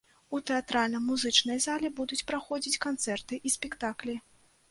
У тэатральна-музычнай зале будуць праходзіць канцэрты і спектаклі.